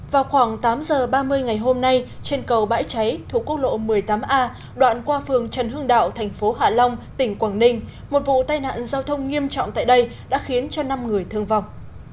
vào khoảng tám h ba mươi ngày hôm nay trên cầu bãi cháy thủ quốc lộ một mươi tám a đoạn qua phường trần hương đạo tp hạ long tỉnh quảng ninh một vụ tai nạn giao thông nghiêm trọng tại đây đã khiến năm người thương vong